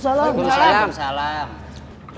assalamualaikum waalaikumsalam waalaikumsalam